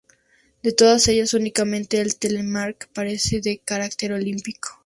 De todas ellas, únicamente el telemark carece de carácter olímpico.